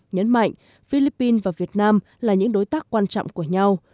nhấn mạnh philippines và việt nam là những đối tác quan trọng của nhau